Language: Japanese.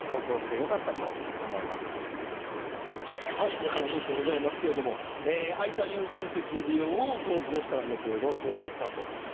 こちらのニュースですが空いた優先席利用を投稿したらネットで論争になった。